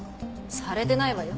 されてないわよ。